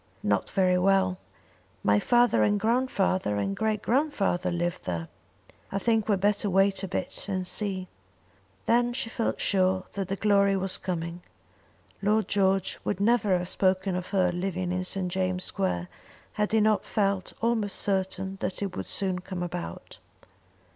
"Not very well. My father and grandfather, and great grandfather lived there. I think we had better wait a bit and see." Then she felt sure that the glory was coming. Lord George would never have spoken of her living in St. James' Square had he not felt almost certain that it would soon come about.